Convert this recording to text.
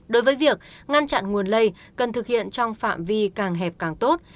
đối với việc ngăn chặn nguồn lây cần thực hiện trong phạm vi càng hẹp càng tốt